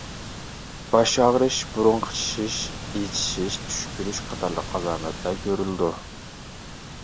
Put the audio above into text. باش ئاغرىش، بۇرۇن قىچىشىش، ئېچىشىش، چۈشكۈرۈش قاتارلىق ئالامەتلەر كۆرۈلىدۇ.